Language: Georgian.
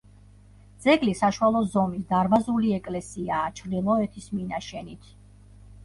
ძეგლი საშუალო ზომის, დარბაზული ეკლესიაა, ჩრდილოეთის მინაშენით.